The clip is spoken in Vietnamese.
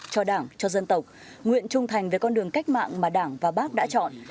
cho đảng cho dân tộc nguyện trung thành về con đường cách mạng mà đảng và bác đã chọn